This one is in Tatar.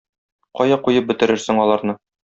Кая куеп бетерерсең аларны?